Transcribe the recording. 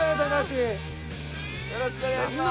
よろしくお願いします！